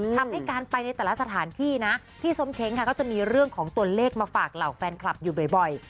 ทำให้การไปในแต่ละสถานที่นะพี่ส้มเช้งค่ะก็จะมีเรื่องของตัวเลขมาฝากเหล่าแฟนคลับอยู่บ่อย